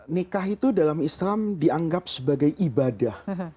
nikah itu dalam islam dianggap sebagai ibadah